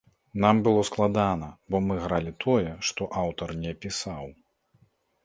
Нам было складана, бо мы гралі тое, што аўтар не пісаў.